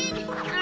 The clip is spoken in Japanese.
あ！